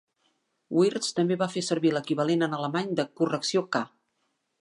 Wirtz també va fer servir l'equivalent en alemany de "correcció K".